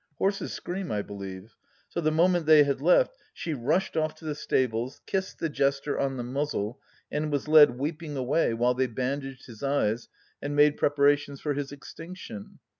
(Horses scream, I believe.) So the moment they had left she rushed off to the stables, kissed "The Jester" on the muzzle, and was led weeping away while they bandaged his eyes and made preparations for his extinction.